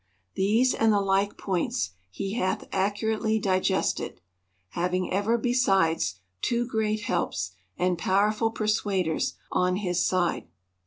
These and the like points he hath accurately digested; having ever, besides, two great helps and powerful persuaders on his side.